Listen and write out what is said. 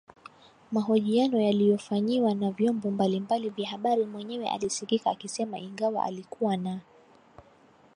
mahojiano aliyofanyiwa na vyombo mbali mbali vya habari mwenyewe alisikika akisema ingawa alikuwa na